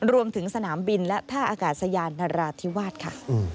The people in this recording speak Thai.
รวมถึงสนามบินและท่าอากาศยานนราธิวาสค่ะ